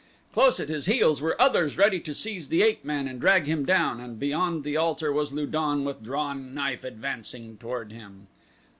Close at his heels were others ready to seize the ape man and drag him down, and beyond the altar was Lu don with drawn knife advancing toward him.